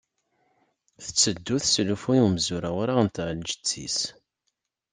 Tetteddu teslufuy i umzur awraɣ n tɛelǧet-is.